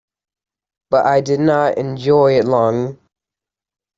But I did not enjoy it long.